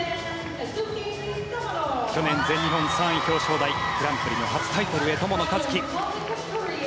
去年、全日本３位表彰台グランプリの初タイトルへ友野一希。